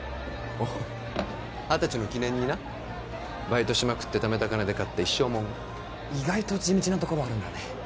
おっ二十歳の記念になバイトしまくって貯めた金で買った一生もん意外と地道なところあるんだね